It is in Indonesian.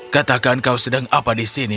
katakan kau sedang apa di sini